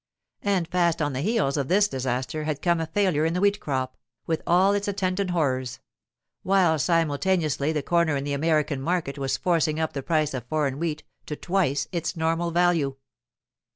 And fast on the heels of this disaster had come a failure in the wheat crop, with all its attendant horrors; while simultaneously the corner in the American market was forcing up the price of foreign wheat to twice its normal value.